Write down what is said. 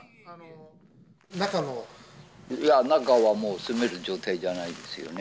中はもう、住める状態じゃないですよね。